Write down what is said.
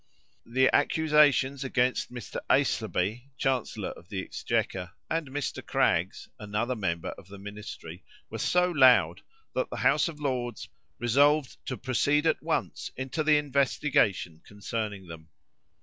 The accusations against Mr. Aislabie, Chancellor of the Exchequer, and Mr. Craggs, another member of the ministry, were so loud, that the House of Lords resolved to proceed at once into the investigation concerning them.